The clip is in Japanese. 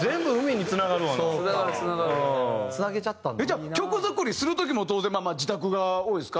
じゃあ曲作りする時も当然まあ自宅が多いですか？